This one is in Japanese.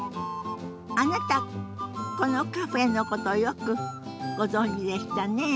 あなたこのカフェのことよくご存じでしたね。